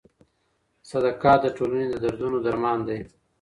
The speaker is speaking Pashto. صدقات د ټولني د دردونو درمان دی.